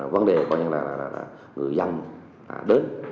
vấn đề coi như là người dân đến